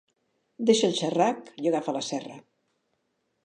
Deixa el xerrac i agafa la serra.